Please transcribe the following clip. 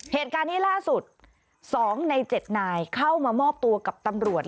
เหตุการณ์นี้ล่าสุด๒ใน๗นายเข้ามามอบตัวกับตำรวจ